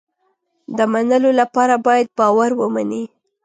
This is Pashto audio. د منلو لپاره باید باور ومني.